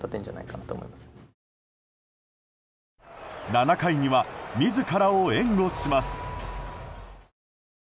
７回には自らを援護します。